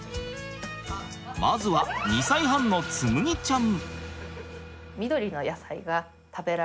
まずは２歳半の紬ちゃん。